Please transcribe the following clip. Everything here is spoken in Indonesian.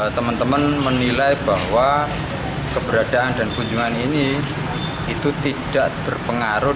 teman teman menilai bahwa keberadaan dan kunjungan ini itu tidak berpengaruh